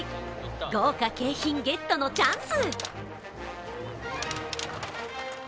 豪華景品ゲットのチャンス。